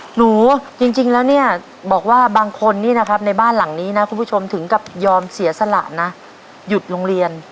หนูจริงแล้วเนี่ยบอกว่าบางคนนี่นะครับในบ้านหลังนี้นะคุณผู้ชมถึงกับยอมเสียสละนะหยุดโรงเรียน